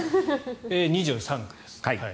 ２３区です。